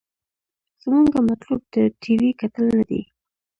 زمونګه مطلوب د ټي وي کتل نه دې.